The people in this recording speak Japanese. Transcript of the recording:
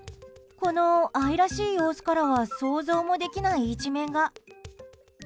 この愛らしい様子からは想像もできない一面が。